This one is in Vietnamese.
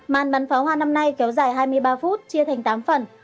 màn bắn pháo hoa năm nay kéo dài hai mươi ba phút chia thành tám phần